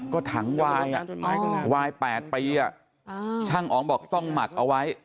ก็ถังวายวาย๘ปีช่างอ๋องบอกต้องหมักเอาไว้